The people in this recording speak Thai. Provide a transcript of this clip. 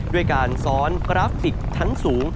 ด้วยการซ้อนกราฟิกชั้นสูง